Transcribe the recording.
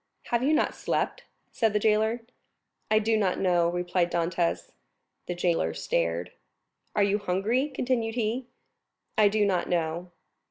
"Have you not slept?" said the jailer. "I do not know," replied Dantès. The jailer stared. "Are you hungry?" continued he. "I do not know."